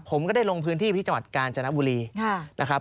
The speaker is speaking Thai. ผมก็ได้ลงพื้นที่พิจัมหาการจนบุรีนะครับ